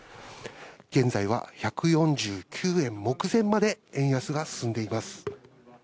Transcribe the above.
現在は１４９円目前まで円安が進んでいます。